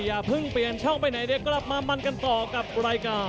อย่าเพิ่งเปลี่ยนช่องไปไหนเดี๋ยวกลับมามันกันต่อกับรายการ